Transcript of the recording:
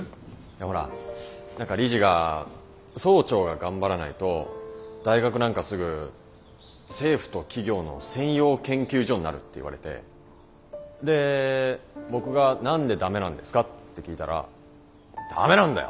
ほら何か理事が「総長が頑張らないと大学なんかすぐ政府と企業の専用研究所になる」って言われてで僕が「何でダメなんですか？」って聞いたら「ダメなんだよ！」